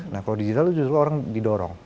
nah kalau digital itu justru orang didorong